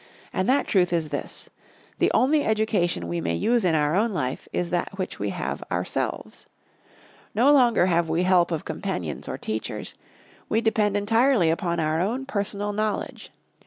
And that truth is this: The only education we may use in our own life is that which we have ourselves. No longer have we help of companions or teachers. We depend entirely upon our own personal knowledge.